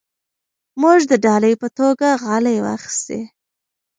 موږ د ډالۍ په توګه غالۍ واخیستې.